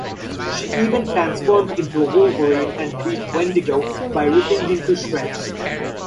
She even transformed into a wolverine and beat Wendigo by ripping him to shreds.